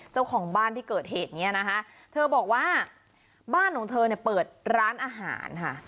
เจ้าของบ้านที่เกิดเหตุเนี่ยนะคะเธอบอกว่าบ้านของเธอเนี่ยเปิดร้านอาหารค่ะ